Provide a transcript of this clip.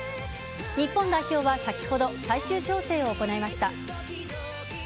日本代表は先ほど最終調整を行いました。